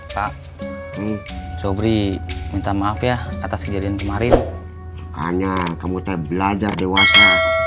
pak sobri minta maaf ya atas kejadian kemarin hanya kamu telah belajar dewasa